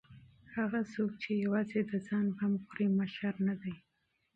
هغه څوک چې یوازې د ځان غم خوري مشر نه دی.